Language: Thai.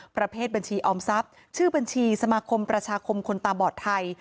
ประเภทบัญชีออมทรัพย์ชื่อบัญชีสมาคมประชาคมคนตาบอดไทย